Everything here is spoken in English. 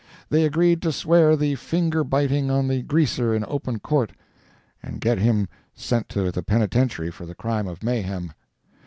They agreed to swear the finger biting on the Greaser in open court, and get him sent to the penitentiary for the crime of mayhem.